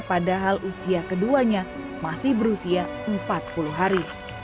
padahal usia keduanya masih berusia empat puluh hari